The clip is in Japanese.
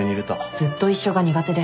「ずっと一緒」が苦手で。